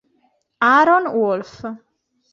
Aaron Wolf